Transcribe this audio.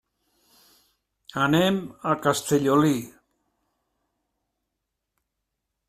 Anem a Castellolí.